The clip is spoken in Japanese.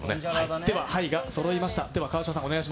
では、牌がそろいました。